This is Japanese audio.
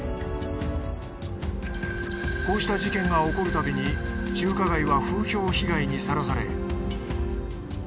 こうした事件が起こるたびに中華街は風評被害にさらされ。